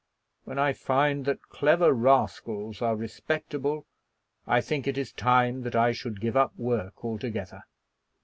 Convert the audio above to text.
When I find that clever rascals are respectable, I think it is time that I should give up work altogether."